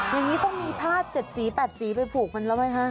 อย่างนี้ต้องมีผ้า๗สี๘สีไปผูกมันแล้วไหมคะ